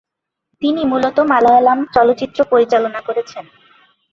তিনি মূলত মালয়ালম চলচ্চিত্র পরিচালনা করেছেন।